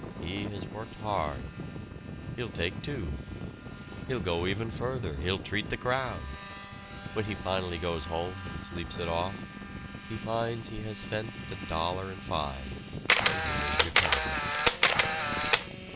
He has worked hard. He'll take two. He'll go even further, he'll treat the crowd. When he finally goes home and sleeps it off, he finds he has spent $1.05, and he is repentant.